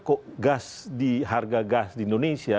kok gas di harga gas di indonesia